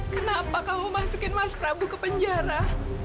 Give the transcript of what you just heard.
kenapa kamu masukin mas prabu ke penjara